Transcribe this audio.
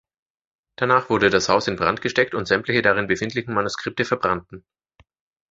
Danach wurde das Haus in Brand gesteckt und sämtliche darin befindlichen Manuskripte verbrannten.